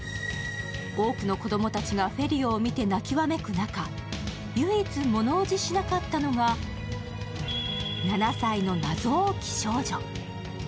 多くの子供たちがフェリオを見て泣きわめく中、唯一物怖じしなかったのが７歳の謎多き少女。